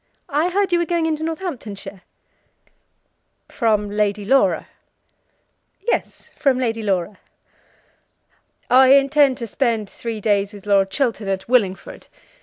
"I heard you were going into Northamptonshire." "From Lady Laura?" "Yes; from Lady Laura." "I intend to spend three days with Lord Chiltern at Willingford.